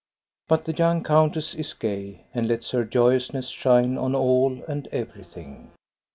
But the young countess is gay, and lets her joyous ness shine on all and everything.